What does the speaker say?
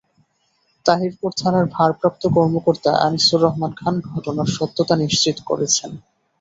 তাহিরপুর থানার ভারপ্রাপ্ত কর্মকর্তা আনিসুর রহমান খান ঘটনার সত্যতা নিশ্চিত করেছেন।